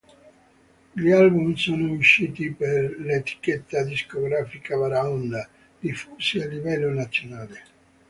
Gli album sono usciti per l'etichetta discografica Baraonda, diffusi a livello nazionale.